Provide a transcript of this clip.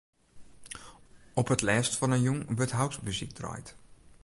Op it lêst fan 'e jûn wurdt housemuzyk draaid.